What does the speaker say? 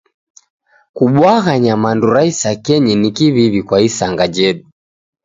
Kubwagha nyamandu ra isakenyi ni kiw'iw'i kwa isanga jedu.